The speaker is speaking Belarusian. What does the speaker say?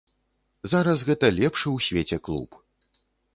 Зараз гэта лепшы ў свеце клуб.